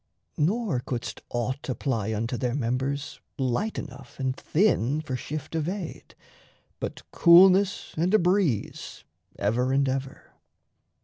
Nor couldst aught apply Unto their members light enough and thin For shift of aid but coolness and a breeze Ever and ever.